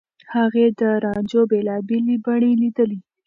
هغې د رانجو بېلابېلې بڼې ليدلي.